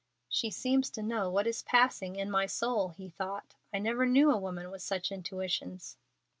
"She seems to know what is passing in my soul," he thought; "I never knew a woman with such intuitions."